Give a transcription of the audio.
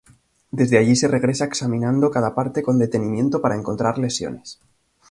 Desde allí se regresa examinando cada parte con detenimiento para encontrar lesiones.